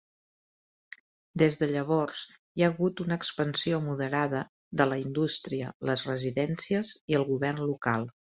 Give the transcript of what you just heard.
Des de llavors, hi ha hagut una expansió moderada de la indústria, les residències i el govern local.